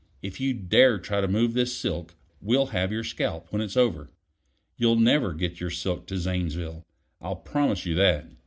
If you dare try to move this silk, we'll have your scalp when it's over. You'll never get your silk to Zanesville, I'll promise you that.